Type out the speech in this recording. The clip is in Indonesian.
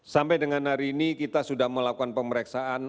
sampai dengan hari ini kita sudah melakukan pemeriksaan